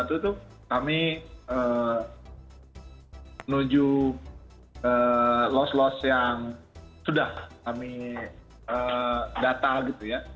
dua ribu dua puluh satu itu kami menuju los los yang sudah kami data gitu ya